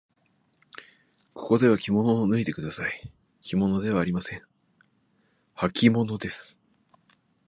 ここではきものを脱いでください。きものではありません。はきものです。